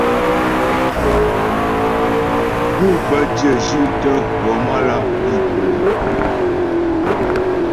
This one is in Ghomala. Pû bə́ dyə̂ zhí'tə ghɔmlá' bǐ po.